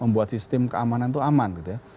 membuat sistem keamanan itu aman gitu ya